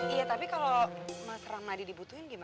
iya tapi kalau mas ramadi dibutuhin gimana